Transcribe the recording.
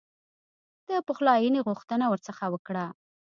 د پخلایني غوښتنه ورڅخه وکړه.